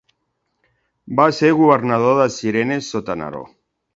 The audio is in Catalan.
Va ser governador de Cirene sota Neró.